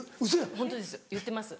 ホントです言ってます。